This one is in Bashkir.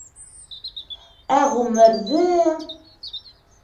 Ә ғүмерҙе...